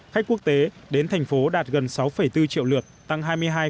khách quốc tế đến thành phố đạt gần sáu bốn triệu lượt tăng hai mươi hai tám mươi tám